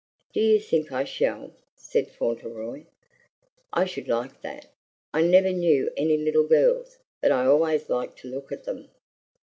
"Do you think I shall?" said Fauntleroy. "I should like that. I never knew any little girls, but I always like to look at them."